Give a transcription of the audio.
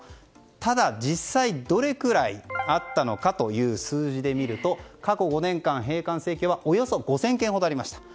ただ実際どれくらいあったのかという数字で見ると過去５年間、返還請求はおよそ５０００件ありました。